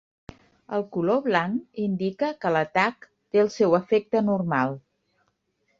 El color blanc indica que l'atac té el seu efecte normal.